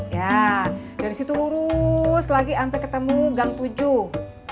ya dari situ lurus lagi sampai ketemu gang tujuh